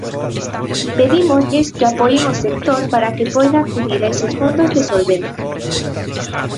Pedímoslles que apoien o sector para que poida acudir a eses fondos de solvencia.